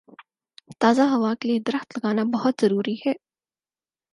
تازہ ہوا کے لیے درخت لگانا بہت ضروری ہے